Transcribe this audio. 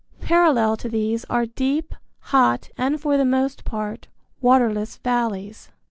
Parallel to these are deep, hot and for the most part waterless valleys.